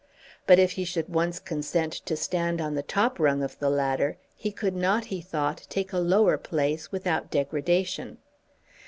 But if he should once consent to stand on the top rung of the ladder, he could not, he thought, take a lower place without degradation.